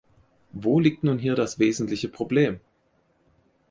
Wo liegt nun hier das wesentliche Problem?